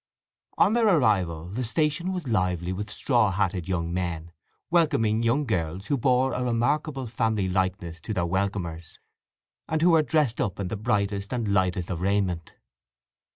I On their arrival the station was lively with straw hatted young men, welcoming young girls who bore a remarkable family likeness to their welcomers, and who were dressed up in the brightest and lightest of raiment.